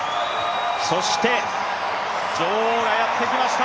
そして女王がやってきました。